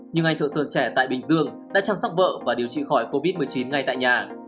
nhưng ngày thợ sơn trẻ tại bình dương đã chăm sóc vợ và điều trị khỏi covid một mươi chín ngay tại nhà